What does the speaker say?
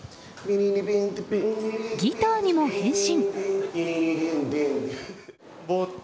ギターにも変身。